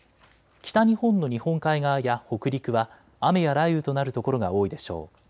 北日本の日本海側や北陸は雨や雷雨となる所が多いでしょう。